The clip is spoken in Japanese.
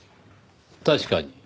確かに。